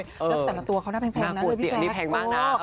แล้วก็แต่ละตัวเขาน่าแพงนะด้วยพี่แซสน่ากลัวเตี๋ยวนี้แพงมากนะ